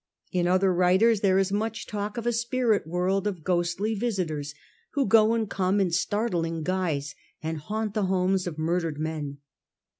In other writers, there is much talk of a spirit world of ghostly visitors who go and come in startling guise and haunt the homes of murdered men.